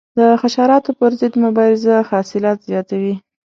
د حشراتو پر ضد مبارزه حاصلات زیاتوي.